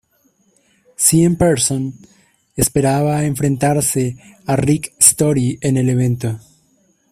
Sean Pierson esperaba enfrentarse a Rick Story en el evento.